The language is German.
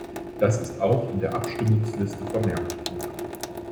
Das ist auch in der Abstimmungsliste vermerkt.